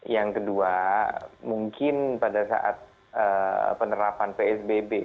yang kedua mungkin pada saat penerapan psbb